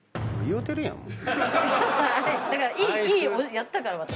やったから私。